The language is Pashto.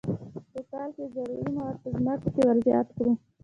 په کال کې ضروري مواد په ځمکه کې ور زیات کړو.